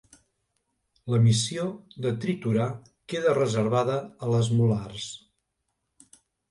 La missió de triturar queda reservada a les molars.